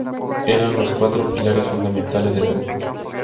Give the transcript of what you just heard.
Eran los cuatro pilares fundamentales del grupo.